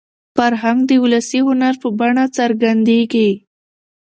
فرهنګ د ولسي هنر په بڼه څرګندېږي.